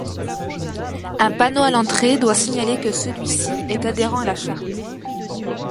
Un panneau à l'entrée doit signaler que celui-ci est adhérent à la charte.